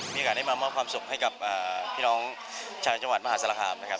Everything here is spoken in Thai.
มีโอกาสได้มามอบความสุขให้กับพี่น้องชาวจังหวัดมหาศาลคามนะครับ